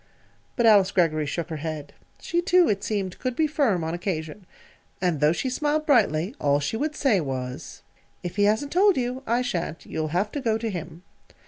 But Alice Greggory shook her head. She, too, it seemed, could be firm, on occasion. And though she smiled brightly, all she would say, was: "If he hasn't told you, I sha'n't. You'll have to go to him."